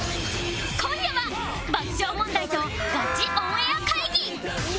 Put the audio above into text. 今夜は爆笑問題とガチオンエア会議